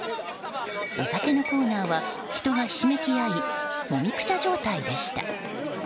お酒のコーナーは人がひしめき合いもみくちゃ状態でした。